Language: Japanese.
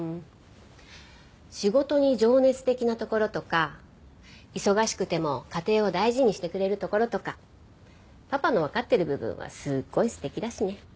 仕事に情熱的なところとか忙しくても家庭を大事にしてくれるところとかパパのわかってる部分はすっごい素敵だしね。